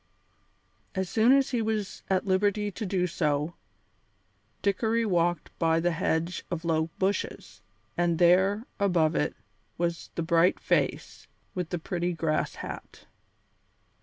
As soon as he was at liberty to do so, Dickory walked by the hedge of low bushes, and there, above it, was the bright face, with the pretty grass hat.